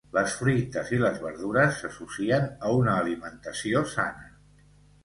Les fruites i les verdures s'associen a una alimentació sana